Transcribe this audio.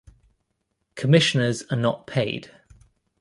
Commissioners are not paid.